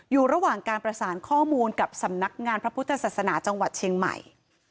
อยู่ระหว่างการประสานข้อมูลกับสำนักงานพระพุทธศาสนาจังหวัดเชียงใหม่